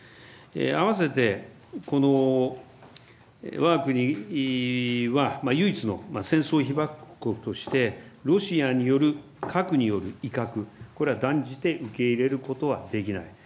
併せて、このわが国は唯一の戦争被爆国として、ロシアによる核による威嚇、これは断じて受け入れることはできない。